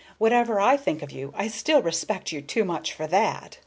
Whatever I think of you, I still respect you too much for that."